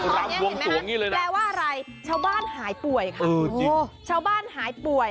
รับวงสวงนี่เลยนะแปลว่าอะไรชาวบ้านหายป่วยค่ะชาวบ้านหายป่วย